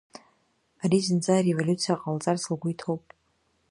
Ари зынӡа ареволиуциа ҟалҵарц лгәы иҭоуп.